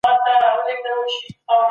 خلګ اوس يو بل درک کوي.